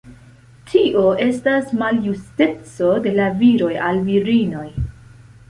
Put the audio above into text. Tio estas maljusteco de la viroj al virinoj.